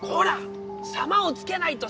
「さま」をつけないと。